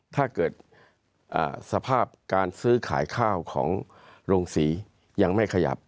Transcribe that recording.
ถ้าเกิดสภาพการซื้อขายข้าวของโรงศรียังไม่ขยับ